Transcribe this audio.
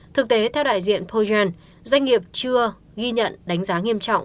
thực tế theo đại diện poi gen doanh nghiệp chưa ghi nhận đánh giá nghiêm trọng